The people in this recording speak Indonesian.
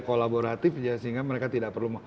kolaboratif sehingga mereka tidak perlu